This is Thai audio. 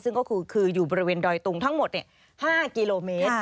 ซึ่งก็คืออยู่บริเวณดอยตุงทั้งหมด๕กิโลเมตร